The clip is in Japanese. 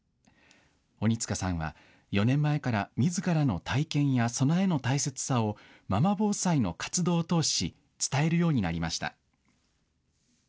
鬼塚さんは４年前からみずからの体験や備えの大切さをママ防災の活動を通し伝えるようになりました。